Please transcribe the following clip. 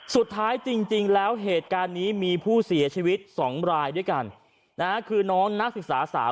สุดท้ายจริงแล้วเหตุการณ์นี้มีผู้เสียชีวิต๒รายด้วยกันนะฮะคือน้องนักศึกษาสาว